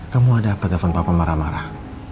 kamu ada apa apa marah marah